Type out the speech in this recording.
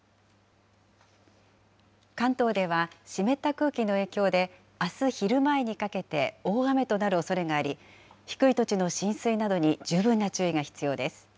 関東では湿った空気の影響で、あす昼前にかけて大雨となるおそれがあり、低い土地の浸水などに十分な注意が必要です。